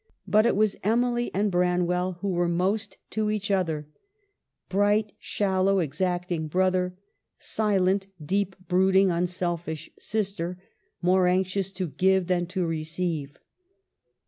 But it was Emily and Branwell who were most to each other : bright, shallow, exacting brother ; silent, deep brooding, unselfish sister, more anxious to give than to receive.